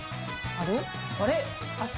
あれ？